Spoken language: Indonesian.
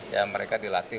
ya mereka dilatih